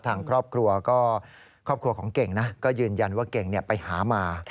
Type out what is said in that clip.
ทางครอบครัวของเก่งนะก็ยืนยันว่าเก่งไปหามา